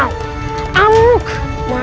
aku mengikuti kamu tertawa